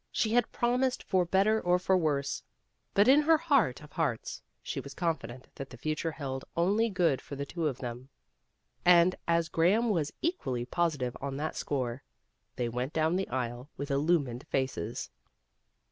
She had promised for better or for worse, but in her heart of hearts she was confident that the future held only good for the two of them. And as Graham was equally positive on that score, they went down the aisle with illumined faces.